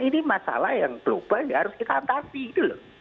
ini masalah yang global ya harus kita atasi gitu loh